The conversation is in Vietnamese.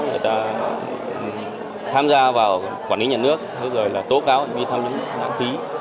người ta tham gia vào quản lý nhà nước rồi là tố cáo đi thăm những lãng phí